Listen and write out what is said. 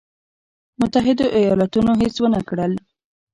متحدو ایالتونو هېڅ ونه کړل.